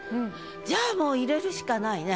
じゃあもう入れるしかないね